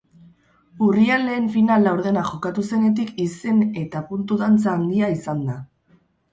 Urrian lehen final laurdena jokatu zenetik, izen-eta puntu-dantza handia izan da.